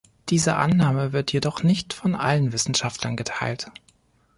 Diese Annahme wird jedoch nicht von allen Wissenschaftlern geteilt.